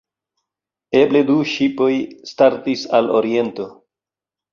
Eble du ŝipoj startis al Oriento.